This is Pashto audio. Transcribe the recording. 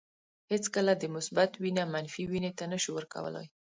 هیڅکله د مثبت وینه منفي وینې ته نشو ورکولای.